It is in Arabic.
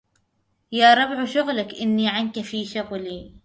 يا ربع شغلك إني عنك في شغل